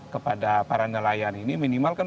kepada para nelayan ini minimal kan